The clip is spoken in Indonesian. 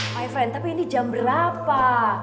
my friend tapi ini jam berapa